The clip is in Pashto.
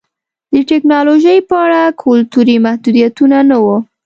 د ټکنالوژۍ په اړه کلتوري محدودیتونه نه وو